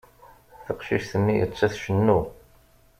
Taqcict-nni atta tcennu.